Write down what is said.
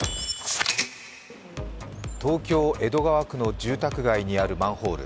東京・江戸川区の住宅街にあるマンホール。